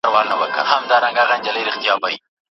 انا وویل چې دا زما د صبر تر ټولو لویه ازموینه ده.